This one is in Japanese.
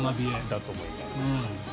だと思います。